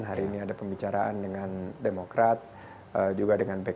hari ini ada pembicaraan dengan demokrat juga dengan pkb dengan gerindra sendiri juga yang diwakil lepa tovik